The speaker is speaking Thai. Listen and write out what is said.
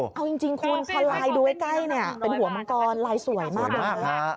เอาจริงคุณพอลายดูใกล้เนี่ยเป็นหัวมังกรลายสวยมากเลยนะ